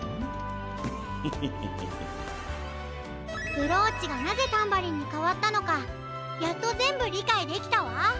ブローチがなぜタンバリンにかわったのかやっとぜんぶりかいできたわ。